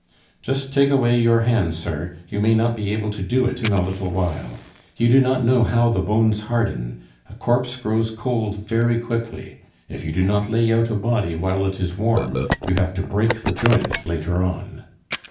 "Just take away your hand, sir; you may not be able to do it in a little while. You do not know how the bones harden. A corpse grows cold very quickly. If you do not lay out a body while it is warm, you have to break the joints later on...."